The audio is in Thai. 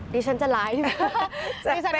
ดิฉันจะไลฟ์